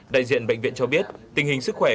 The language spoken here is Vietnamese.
đại diện bệnh viện cho biết tình hình sức khỏe